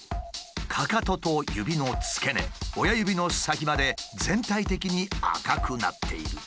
かかとと指の付け根親指の先まで全体的に赤くなっている。